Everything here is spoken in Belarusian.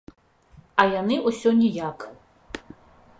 А яны ўсё ніяк.